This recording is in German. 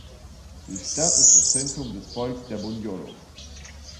Die Stadt ist das Zentrum des Volks der Bunyoro.